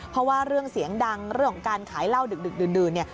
เพราะว่าเรื่องเสียงดังเรื่องของการขายเหล้าดึกดื่นเนี่ย